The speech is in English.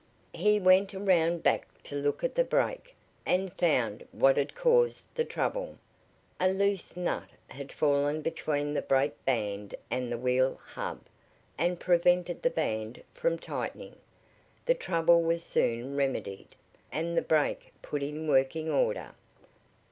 He went around back to look at the brake, and found what had caused the trouble. A loose nut had fallen between the brake band and the wheel hub, and prevented the band from tightening. The trouble was soon remedied, and the brake put in working order.